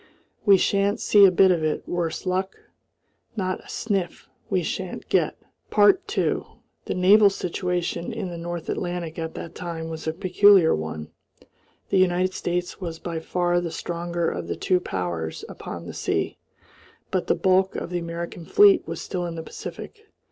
We shan't see a bit of it, worse luck! Not a sniff we shan't get!" 2 The naval situation in the North Atlantic at that time was a peculiar one. The United States was by far the stronger of the two powers upon the sea, but the bulk of the American fleet was still in the Pacific.